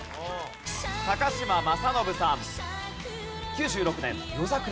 嶋政伸さん。